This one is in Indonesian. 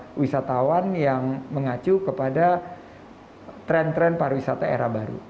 untuk wisatawan yang mengacu kepada tren tren pariwisata era baru